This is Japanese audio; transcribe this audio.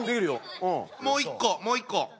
もう一個もう一個。